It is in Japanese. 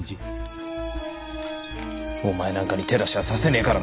お前なんかに手出しはさせねえからな。